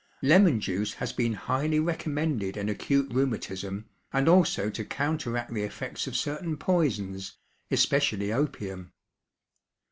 Lemon juice has been highly recommended in acute rheumatism and also to counteract the effects of certain poisons, especially opium.